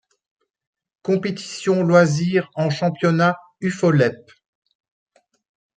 Compétition loisir en championnat Ufolep.